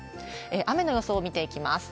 雨の予想を見ていきます。